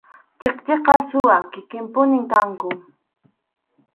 Chikchiqa suwa kikinpunim kanku.